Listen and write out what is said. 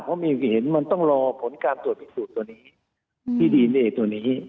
เพราะมีเห็นมันต้องรอผลการตรวจพิสูจน์ตัวนี้ที่ดีเนเอตัวนี้